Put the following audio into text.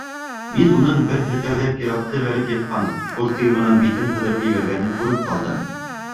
Мин уның бер һелтәүҙә пиратты бәреп йыҡҡанын, кортигы менән битен һыҙырып ебәргәнен күреп ҡалдым.